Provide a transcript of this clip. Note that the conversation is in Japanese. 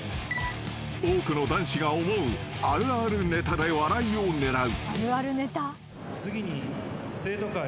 ［多くの男子が思うあるあるネタで笑いを狙う］